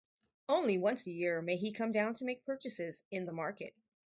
Only once a year may he come down to make purchases in the market.